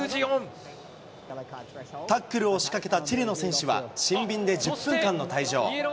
タックルを仕掛けたチリの選手は、シンビンで１０分間の退場。